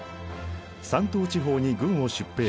山東地方に軍を出兵した。